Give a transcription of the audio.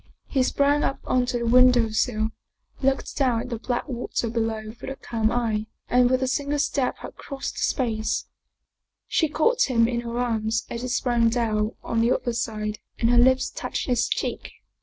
He sprang up onto the window sill, looked down at the black water below with a calm eye, and with a single step had crossed the space. She caught him in her arms as he sprang down on the other side and her lips touched his cheek.